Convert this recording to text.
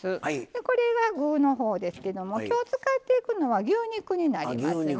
これが具のほうですけどもきょう使っていくのは牛肉になりますね。